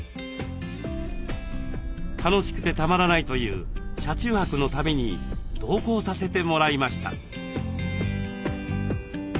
楽しくてたまらないという車中泊の旅に同行させてもらいました。